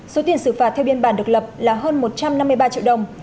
số tiền xử phạt theo biên bản được lập là hơn một trăm năm mươi ba triệu đồng